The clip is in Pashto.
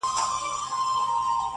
• خوشالي لکه بلوړ داسي ښکاریږي -